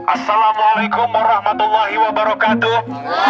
assalamualaikum warahmatullahi wabarakatuh